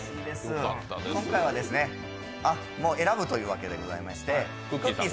今回は選ぶというわけでございまして、くっきー！